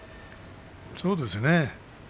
そうですね